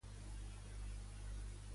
Els socialistes tenen un pacte ferm?